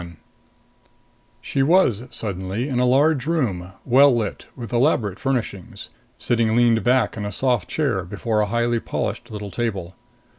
21 She was, suddenly, in a large room, well lit, with elaborate furnishings sitting leaned back in a soft chair before a highly polished little table.